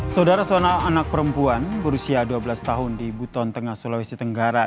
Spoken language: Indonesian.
saudara sona anak perempuan berusia dua belas tahun di buton tengah sulawesi tenggara